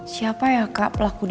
siapa ya kak pelaku di rumahku